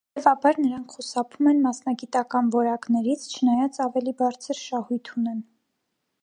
Հետևաբար նրանք խուսափում են մասնագիտական որակներից, չնայած ավելի բարձր շահույթ ունեն։